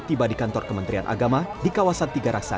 tiba di kantor kementerian agama di kawasan tiga raksa